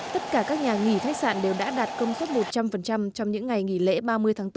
tất cả các nhà nghỉ khách sạn đều đã đạt công suất một trăm linh trong những ngày nghỉ lễ ba mươi tháng bốn